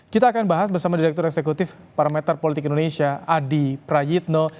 kita akan bahas bersama direktur eksekutif parameter politik indonesia adi prayitno